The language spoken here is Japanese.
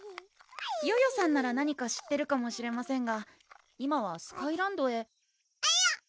ヨヨさんなら何か知ってるかもしれませんが今はスカイランドへえる！